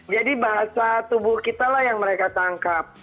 jadi bahasa tubuh kita yang mereka tangkap